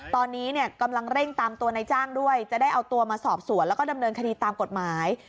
ตอนนี้เนี่ยกำลังเร่งตามตัวนายจ้างด้วยจะได้เอาตัวมาสอบสวนแล้วก็ดำเนินคดีตามกฎหมาย